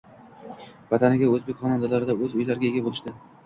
Vataniga, o‘zbek xonadonlarida o‘z uylariga ega bo‘ldi